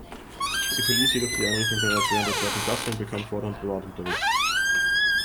Sie verließ jedoch die Einrichtung bereits während der zweiten Klasse und bekam fortan Privatunterricht.